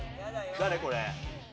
誰、これ。